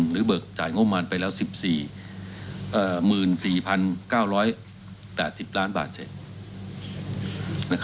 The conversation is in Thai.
เบิกจ่ายงบมารไปแล้ว๑๔๙๘๐ล้านบาทเสร็จ